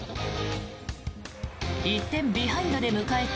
１点ビハインドで迎えた